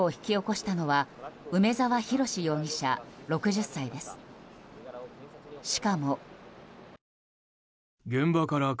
しかも。